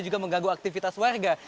juga mengganggu aktivitas warga